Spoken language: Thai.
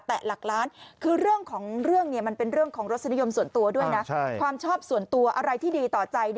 แต่หลักล้านคือเรื่องของเรื่องมันเป็นเรื่องของรสนิยมส่วนตัวด้วยนะความชอบส่วนตัวอะไรที่ดีต่อใจ